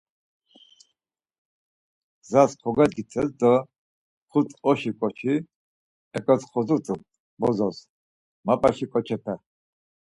Gzas kogedgites do xut oşi ǩoçi eǩotxozut̆u bozos, mapaşi ǩoçepe.